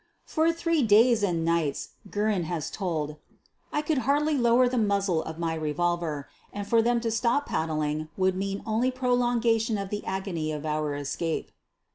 "For three days and nights," Guerin has told, "I could hardly lower the muzzle of my revolver, and for them to stop paddling would mean only pro longation of the agony of our escape.'